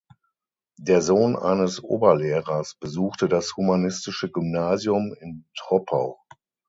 Der Sohn eines Oberlehrers besuchte das humanistische Gymnasium in Troppau.